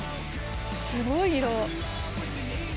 すごい色！